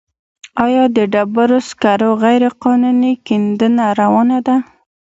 آیا د ډبرو سکرو غیرقانوني کیندنه روانه ده؟